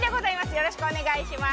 よろしくお願いします。